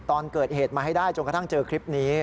ตอนเกิดเหตุมาให้ได้จนกระทั่งเจอคลิปนี้